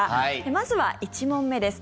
まずは１問目です。